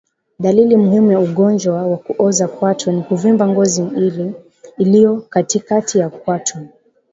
Dalili muhimu ya ugonjwa wa kuoza kwato ni kuvimba ngozi iliyo katikati ya kwato